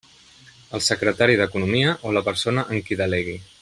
El secretari d'Economia o la persona en qui delegui.